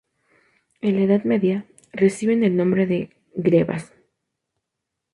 En la Edad Media reciben el nombre de "grebas".